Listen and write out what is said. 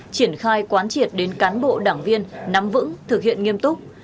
triển khai quán triệt đến cán bộ đảng viên nắm vững thực hiện nghiêm túc